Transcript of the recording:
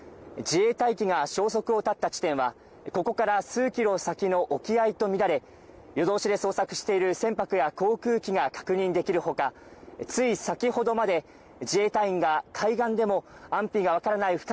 自衛隊機が消息を絶った地点はここから数キロ先の沖合と見られ夜通しで捜索している船舶や航空機が確認できるほかつい先ほどまで自衛隊が海岸でも安否が分からない